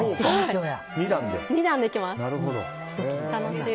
２段でできます。